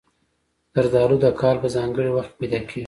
زردالو د کال په ځانګړي وخت کې پیدا کېږي.